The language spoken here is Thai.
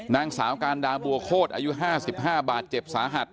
นางสาวการดาบัวโคตรอายุ๕๕บาทเจ็บสาหัส